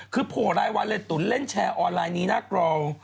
คือโผล่รายวันเลยตุ๋นเล่นแชร์ออนไลน์นี้หน้ากรอง